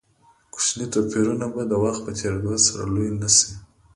کوچني توپیرونه به د وخت په تېرېدو سره لوی نه شي.